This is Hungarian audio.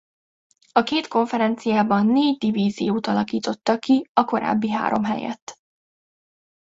A két konferenciában négy divíziót alakítottak ki a korábbi három helyett.